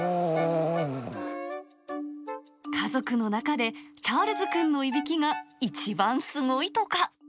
家族の中でチャールズくんのいびきが一番すごいとか。